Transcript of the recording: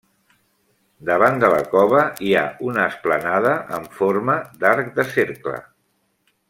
Davant de la cova hi ha una esplanada en forma d'arc de cercle.